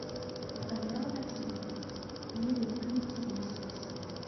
Lɣella ad tt-neɣlet imi d nukni i tt-id-yessasen.